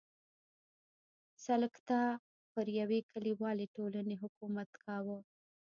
سلکتا پر یوې کلیوالې ټولنې حکومت کاوه.